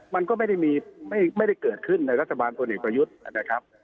มันก็ไม่ได้มีไม่ได้เกิดขึ้นในรัฐบาลตัวเนกประยุทธ์นะครับ